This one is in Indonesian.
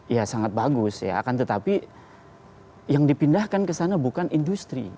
ya sangat bagus ya akan tetapi yang dipindahkan ke sana bukan industri